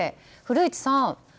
古市さん